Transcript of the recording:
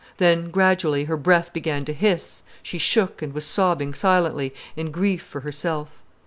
Then, gradually, her breath began to hiss, she shook, and was sobbing silently, in grief for herself.